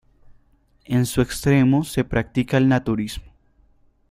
En su extremo se practica el naturismo.